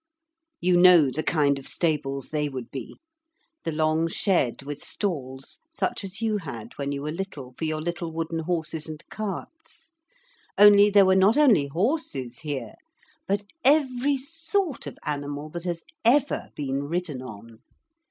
You know the kind of stables they would be? The long shed with stalls such as you had, when you were little, for your little wooden horses and carts? Only there were not only horses here, but every sort of animal that has ever been ridden on.